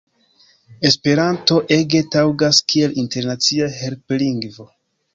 Esperanto ege taŭgas kiel internacia helplingvo.